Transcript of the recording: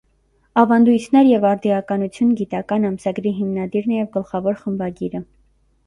«Ավանդույթներ և արդիականություն» գիտական ամսագրի հիմնադիրն է և գլխավոր խմբագիրը։